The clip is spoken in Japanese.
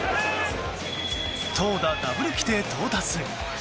投打ダブル規定到達。